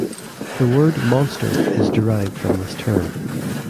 The word monster is derived from this term.